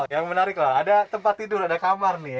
yang menarik lah ada tempat tidur ada kamar nih ya